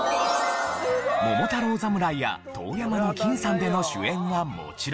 『桃太郎侍』や『遠山の金さん』での主演はもちろん。